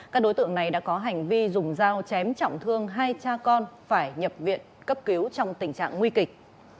các đối tượng này đã có hành vi dùng dao chém trọng thương hai cha con phải nhập viện cấp cứu trong tình trạng nguy kịch